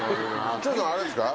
ちょっとあれですか？